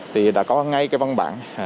thì đã có ngay cái văn bản